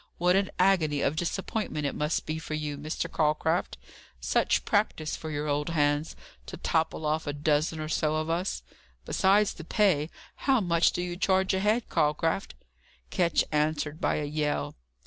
What an agony of disappointment it must be for you, Mr. Calcraft! Such practice for your old hands, to topple off a dozen or so of us! Besides the pay! How much do you charge a head, Calcraft?" Ketch answered by a yell.